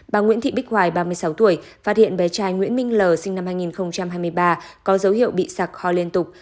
bà nguyễn thị bích hoài ba mươi sáu tuổi phát hiện bé trai nguyễn minh l sinh năm hai nghìn hai mươi ba có dấu hiệu bị sạc ho liên tục